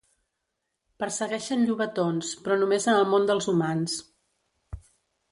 Persegueixen llobatons, però només en el món dels humans.